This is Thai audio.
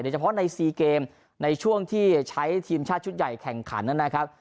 เฉพาะใน๔เกมในช่วงที่ใช้ทีมชาติชุดใหญ่แข่งขันนะครับ